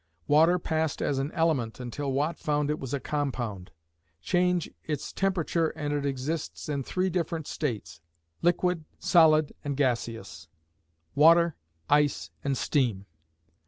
Water passed as an element until Watt found it was a compound. Change its temperature and it exists in three different states, liquid, solid, and gaseous water, ice and steam.